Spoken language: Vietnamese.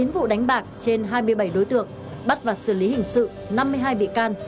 chín vụ đánh bạc trên hai mươi bảy đối tượng bắt và xử lý hình sự năm mươi hai bị can